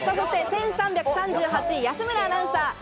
１３３８位、安村アナウンサー。